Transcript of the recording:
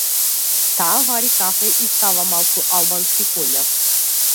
Таа вари кафе и си става малку албански коњак.